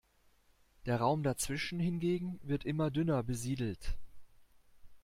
Der Raum dazwischen hingegen wird immer dünner besiedelt.